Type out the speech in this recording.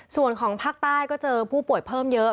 ส่วนของภาคใต้ก็เจอผู้ป่วยเพิ่มเยอะ